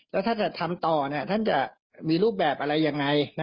แล้วถ้าจะทำต่อท่านจะมีรูปแบบอะไรยังไง